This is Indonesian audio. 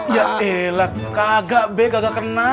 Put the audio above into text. ya elak kagak be kagak kena